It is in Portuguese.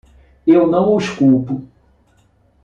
Eu não os culpo.